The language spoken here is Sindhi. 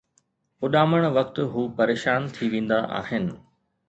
اُڏامڻ وقت هو پريشان ٿي ويندا آهن